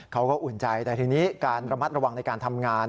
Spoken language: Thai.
อุ่นใจแต่ทีนี้การระมัดระวังในการทำงาน